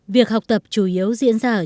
việc học tập chủ yếu diễn ra ở trường